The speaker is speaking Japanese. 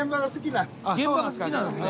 現場が好きなんですね